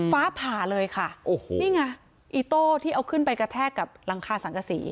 ฟ้าผ่าเลยค่ะโอ้โหนี่ไงอีโต้ที่เอาขึ้นไปกระแทกกับหลังคาสังกษี